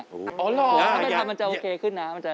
อ๋อหรอเขาเลยกำลังทำมันจะโอเคขึ้นนะ